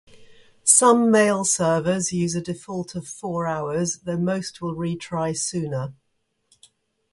Some mail servers use a default of four hours, though most will retry sooner.